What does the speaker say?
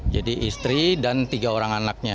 jadi istri dan tiga orang anaknya